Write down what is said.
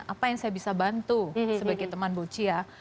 apa yang saya bisa bantu sebagai teman bocia